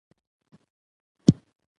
سړی له ډېر کاره ستړی شوی دی.